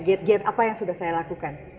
get get apa yang sudah saya lakukan